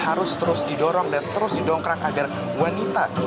harus terus didorong dan terus didongkrang agar wanita dapat memberikan konteks balasan mereka